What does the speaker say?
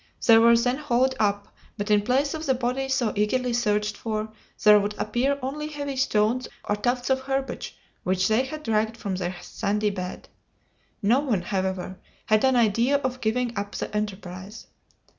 They were then hauled up, but in place of the body so eagerly searched for, there would appear only heavy stones or tufts of herbage which they had dragged from their sandy bed. No one, however, had an idea of giving up the enterprise.